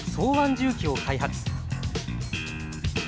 重機を開発。